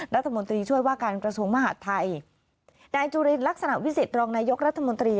รัฐมนตรีช่วยว่าการกระทรวงมหาดไทยนายจุลินลักษณะวิสิตรองนายกรัฐมนตรี